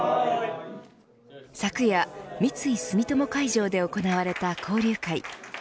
昨夜、三井住友海上で行われた交流会。